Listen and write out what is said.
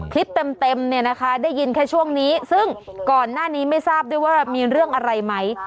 คลิปเต็มเนี่ยนะคะได้ยินแค่ช่วงนี้ซึ่งก่อนหน้านี้ไม่ทราบด้วยว่ามีเรื่องอะไรไหม